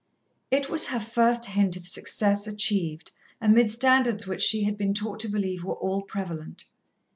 It was her first hint of success achieved amid standards which she had been taught to believe were all prevalent.